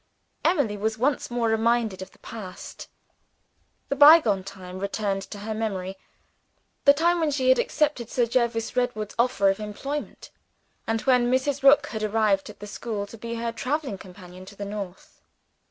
Emily was once more reminded of the past. The bygone time returned to her memory the time when she had accepted Sir Jervis Redwood's offer of employment, and when Mrs. Rook had arrived at the school to be her traveling companion to the North.